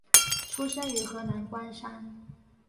出生于河南光山。